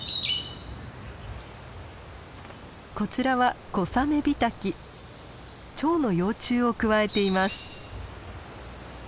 こちらはチョウの幼虫をくわえています。